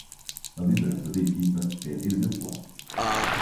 A liderança da equipe é exemplar.